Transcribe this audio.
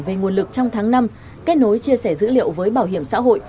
về nguồn lực trong tháng năm kết nối chia sẻ dữ liệu với bảo hiểm xã hội